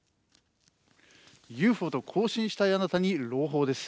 ＵＦＯと交信したいあなたに朗報です。